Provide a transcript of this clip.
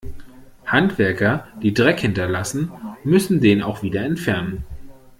Handwerker, die Dreck hinterlassen, müssen den auch wieder entfernen.